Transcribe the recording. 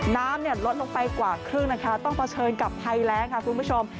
น้ำลดลงไปกว่าครึ่งนะคะต้องเผชิญกับภัยแรงค่ะคุณผู้ชม